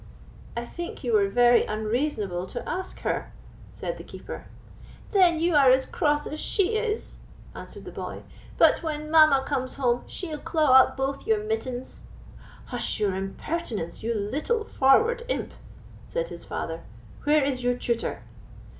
"I think you were very unreasonable to ask her," said the Keeper. "Then you are as cross as she is," answered the boy; "but when mamma comes home, she'll claw up both your mittens." "Hush your impertinence, you little forward imp!" said his father; "where is your tutor?"